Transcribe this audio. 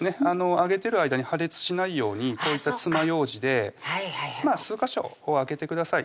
揚げてる間に破裂しないようにこういったつまようじでまぁ数ヵ所開けてください